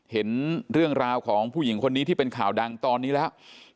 เห็นเรื่องราวของผู้หญิงคนนี้ที่เป็นข่าวดังตอนนี้แล้ว